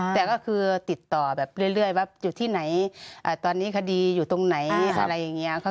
แต่ก็คือติดต่อแบบเรื่อยว่าอยู่ที่ไหนตอนนี้คดีอยู่ตรงไหนอะไรอย่างนี้